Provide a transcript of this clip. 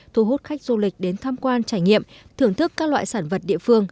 thu hút khách du lịch đến tham quan trải nghiệm thưởng thức các loại sản vật địa phương